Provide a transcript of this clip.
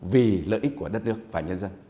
vì lợi ích của đất nước và nhân dân